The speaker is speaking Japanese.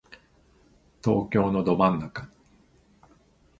東京のど真ん中